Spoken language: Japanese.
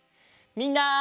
みんな！